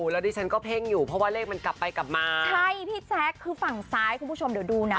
แล้วดิฉันก็เพ่งอยู่เพราะว่าเลขมันกลับไปกลับมาใช่พี่แจ๊คคือฝั่งซ้ายคุณผู้ชมเดี๋ยวดูนะ